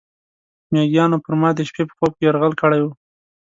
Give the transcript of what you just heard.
میږیانو پر ما د شپې په خوب کې یرغل کړی و.